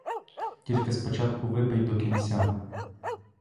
Тільки спочатку випий до кінця.